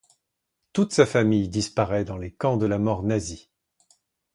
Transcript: Toute sa famille disparaît dans les camps de la mort nazis.